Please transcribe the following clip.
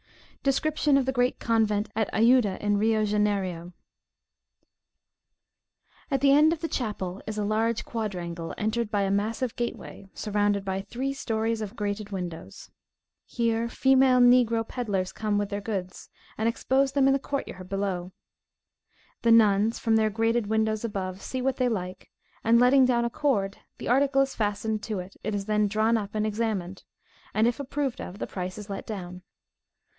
DESCRIPTION OF THE GREAT CONVENT AT AJUDA IN RIO JANERIO. At the end of the chapel is a large quadrangle, entered by a massive gateway, surrounded by three stories of grated windows. Here female negro pedlars come with their goods, and expose them in the court yard below. The nuns, from their grated windows above, see what they like, and, letting down a cord, the article is fastened to it; it is then drawn up and examined, and, if approved of, the price is let down.